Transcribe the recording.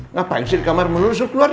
ngapain sih di kamar melurus lu keluar deh